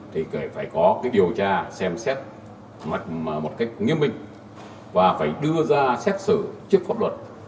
thì phải có cái điều tra xem xét một cách nghiêm minh và phải đưa ra xét xử trước pháp luật